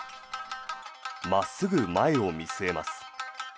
真っすぐ前を見据えます。